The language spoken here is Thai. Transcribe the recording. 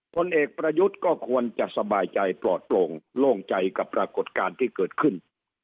ผลเอกประยุทธ์ก็ควรจะสบายใจปลอดโปร่งโล่งใจกับปรากฏการณ์ที่เกิดขึ้น